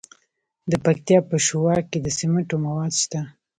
د پکتیا په شواک کې د سمنټو مواد شته.